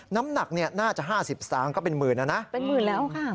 น้ำหนักเนี่ยน่าจะ๕๐สตานก็เป็นหมื่นแล้วนะ